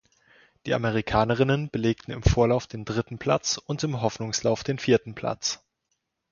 Die Amerikanerinnen belegten im Vorlauf den dritten Platz und im Hoffnungslauf den vierten Platz.